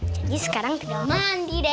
jadi sekarang tinggal mandi deh